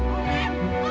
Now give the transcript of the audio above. udah batu apa